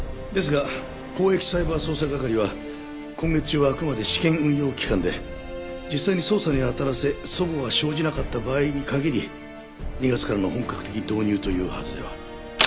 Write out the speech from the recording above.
ですが広域サイバー捜査係は今月中はあくまで試験運用期間で実際に捜査に当たらせ齟齬が生じなかった場合に限り２月からの本格的導入というはずでは？